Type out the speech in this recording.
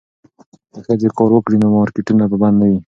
که ښځې کار وکړي نو مارکیټونه به بند نه وي.